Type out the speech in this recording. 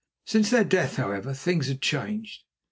Since their death, however, things had changed.